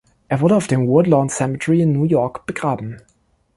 Er wurde auf dem Woodlawn Cemetery in New York begraben.